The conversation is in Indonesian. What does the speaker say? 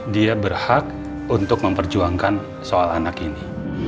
dia berhak untuk memperjuangkan soal anak ini